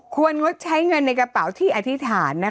งดใช้เงินในกระเป๋าที่อธิษฐาน